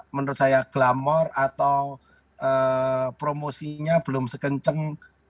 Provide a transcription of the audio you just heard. menurut saya glamor atau promosinya belum sekencang